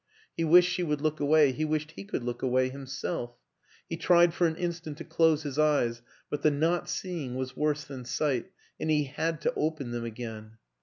He wished she would look away, he wished he could look away himself; he tried for an instant to close his eyes, but the not seeing was worse than sight, and he had to open them again.